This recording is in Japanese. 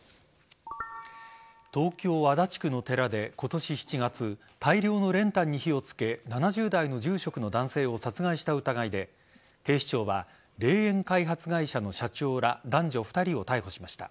東京・足立区の寺で今年７月大量の練炭に火を付け７０代の住職の男性を殺害した疑いで警視庁は、霊園開発会社の社長ら男女２人を逮捕しました。